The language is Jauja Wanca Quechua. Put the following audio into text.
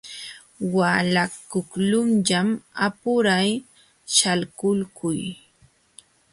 Waalaykuqlunñam apuray shalkukuy.